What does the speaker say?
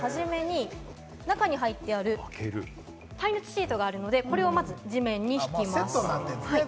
中に入っている耐熱シートがあるので、これをまず地面に敷きます。